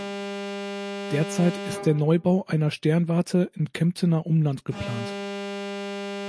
Derzeit ist der Neubau einer Sternwarte im Kemptener Umland geplant.